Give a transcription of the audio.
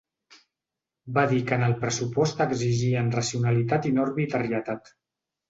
Va dir que en el pressupost exigien racionalitat i no arbitrarietat.